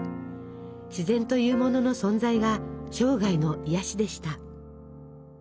自然というものの存在が生涯の癒やしでした。